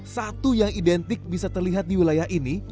satu yang identik bisa terlihat di wilayah ini